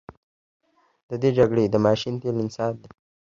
د دغه جګړې د ماشین تیل انسان دی.